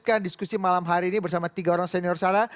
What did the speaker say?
kita akan diskusi malam hari ini bersama tiga orang senior sana